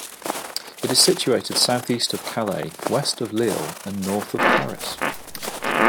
It is situated south-east of Calais, west of Lille, and north of Paris.